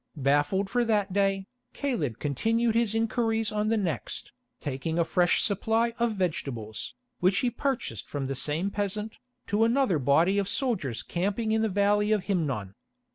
Baffled for that day, Caleb continued his inquiries on the next, taking a fresh supply of vegetables, which he purchased from the same peasant, to another body of soldiers camping in the Valley of Himnon.